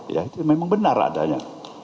ya itu memang benar adanya